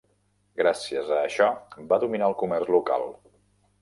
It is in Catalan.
Gràcies a això va dominar el comerç local.